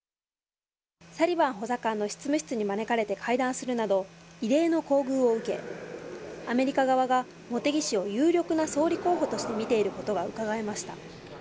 サリバン補佐官の執務室に招かれて会談するなど、異例の厚遇を受け、アメリカ側が茂木氏を有力な総理候補として見ていることがうかがえました。